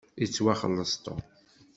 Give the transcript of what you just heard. Yettwaxelleṣ Tom.